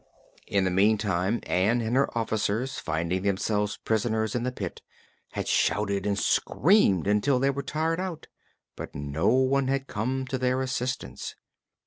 In the meantime Ann and her officers, finding themselves prisoners in the pit, had shouted and screamed until they were tired out, but no one had come to their assistance.